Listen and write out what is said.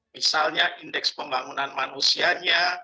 misalnya indeks pembangunan manusianya